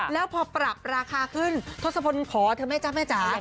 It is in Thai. แล้วพอปรับราคาขึ้นทศพลขอเธอไหมจ๊ะแม่จ๋า